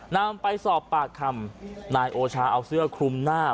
นำไปสอบปากคำนายโอชาเอาเสื้อคลุมหน้า